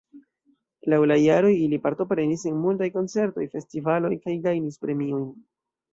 Laŭ la jaroj ili partoprenis en multaj koncertoj, festivaloj kaj gajnis premiojn.